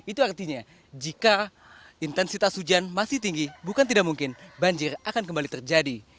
itu artinya jika intensitas hujan masih tinggi bukan tidak mungkin banjir akan kembali terjadi